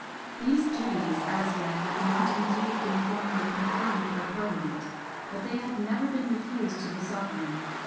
These duties as yet had not indeed been formally confirmed by parliament, but they had never been refused to the sovereign.